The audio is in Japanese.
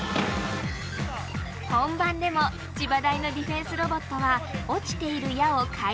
本番でも千葉大のディフェンスロボットは落ちている矢を回収。